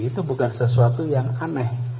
itu bukan sesuatu yang aneh